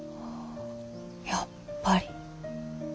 やっぱり。